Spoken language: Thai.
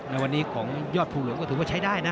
ในวันนี้ของยอดภูหลวงก็ถือว่าใช้ได้นะ